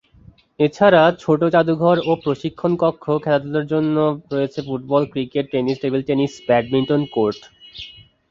এছাড়া ছোট যাদুঘর ও প্রশিক্ষণ কক্ষ, খেলাধুলার জন্য রয়েছে football, cricket, tennis, table tennis, badminton court.